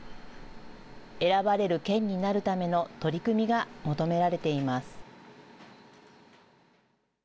選ばれる県になるための取り組みが求められています。